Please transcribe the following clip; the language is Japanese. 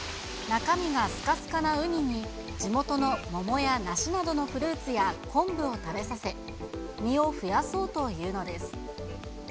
中身がすかすかなウニに、地元の桃や梨などのフルーツや昆布を食べさせ、身を増やそうというのです。